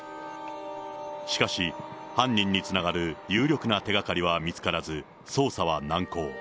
しかし、犯人につながる有力な手がかりは見つからず、捜査は難航。